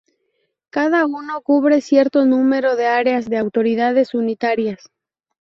Cada uno cubre cierto número de áreas de autoridades unitarias.